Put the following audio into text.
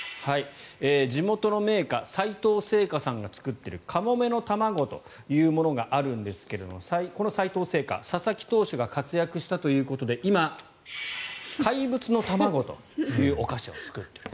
地元の銘菓さいとう製菓さんが作っているかもめの玉子というものがあるんですがこのさいとう製菓、佐々木投手が活躍したということで今、怪物の玉子というお菓子を作っている。